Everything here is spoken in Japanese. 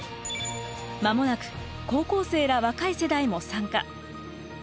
間もなく高校生ら若い世代も参加。